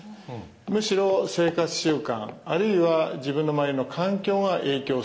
むしろ生活習慣あるいは自分の周りの環境が影響すると。